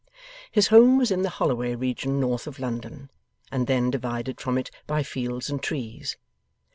His home was in the Holloway region north of London, and then divided from it by fields and trees.